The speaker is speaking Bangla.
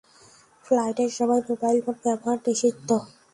ফ্লাইটের সময় মোবাইল ফোন ব্যবহার নিষিদ্ধ।